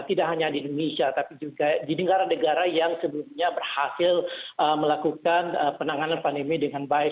tidak hanya di indonesia tapi juga di negara negara yang sebelumnya berhasil melakukan penanganan pandemi dengan baik